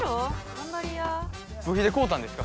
頑張りや部費で買うたんですか？